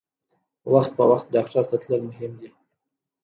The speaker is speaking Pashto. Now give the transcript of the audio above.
وخت په وخت ډاکټر ته تلل مهم دي.